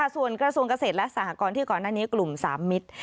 ส่วนกระทรวงเกษตรและสหกรณ์ที่ก่อนหน้านี้กลุ่ม๓มิตร